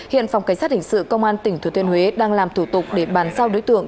hiện phòng cảnh sát hình sự công an tỉnh thừa thiên huế đang làm thủ tục để bàn giao đối tượng